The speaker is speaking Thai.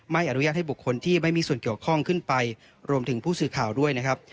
ไม่อนุญาตให้บุคคลที่ไม่มีส่วนเกี่ยวข้องขึ้นไปรวมถึงผู้สื่อข่าวด้วยนะครับ